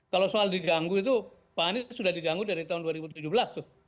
kalau soal diganggu itu pak anies sudah diganggu dari tahun dua ribu tujuh belas tuh